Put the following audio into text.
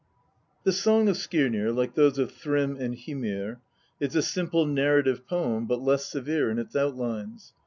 The Song of Skirnir, like those of Thrym and Hymir, is a simple narrative poem, but less severe in its outlines.